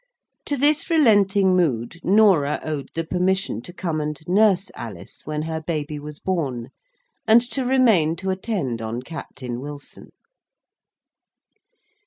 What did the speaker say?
To this relenting mood Norah owed the permission to come and nurse Alice when her baby was born, and to remain to attend on Captain Wilson.